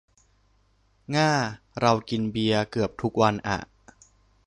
ง้า เรากินเบียร์เกือบทุกวันอ่ะ